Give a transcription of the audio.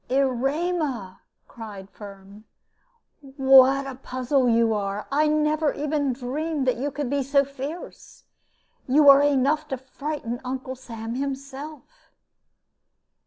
"Erema," cried Firm, "what a puzzle you are! I never even dreamed that you could be so fierce. You are enough to frighten Uncle Sam himself."